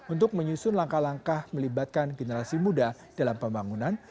untuk menyusun langkah langkah melibatkan generasi muda dalam pembangunan